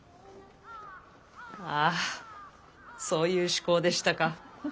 あそういう趣向でしたか。